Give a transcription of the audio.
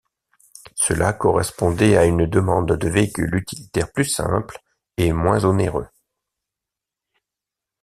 Cela correspondait à une demande de véhicules utilitaires plus simples et moins onéreux.